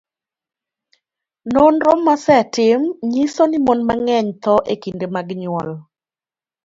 nonro mosetim nyiso ni mon mang'eny tho e kinde mag nyuol.